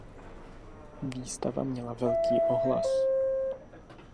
Výstava měla velký ohlas.